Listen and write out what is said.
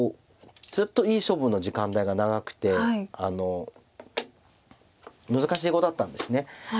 ずっといい勝負の時間帯が長くて難しい碁だったんです。